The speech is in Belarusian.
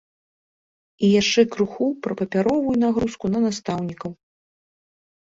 І яшчэ крыху пра папяровую нагрузку на настаўнікаў.